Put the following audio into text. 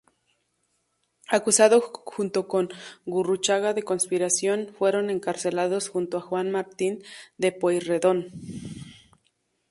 Acusado junto con Gurruchaga de conspiración, fueron encarcelados junto a Juan Martín de Pueyrredón.